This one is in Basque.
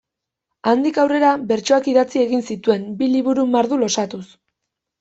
Handik aurrera, bertsoak idatzi egin zituen, bi liburu mardul osatuz.